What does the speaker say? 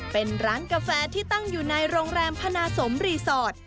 เป็นร้านกาแฟที่ตั้งอยู่ในโรงแรมพนาสมรีสอร์ท